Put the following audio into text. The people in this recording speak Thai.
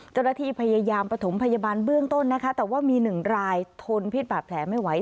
เจ้าหน้าที่พยายามประถมพยาบาลเบื้องต้นนะคะแต่ว่ามีหนึ่งรายทนพิษบาดแผลไม่ไหว